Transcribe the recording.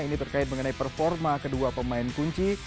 ini terkait mengenai performa kedua pemain kunci